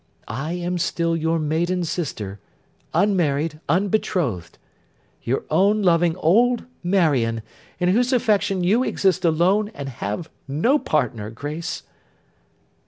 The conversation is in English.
I am still your maiden sister, unmarried, unbetrothed: your own loving old Marion, in whose affection you exist alone and have no partner, Grace!